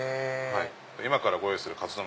今からご用意するカツ丼